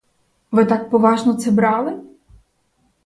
Ви так поважно це брали?